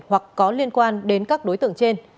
hoặc có liên quan đến các đối tượng trên